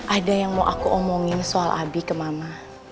ada yang mau aku omongin soal abi ke mama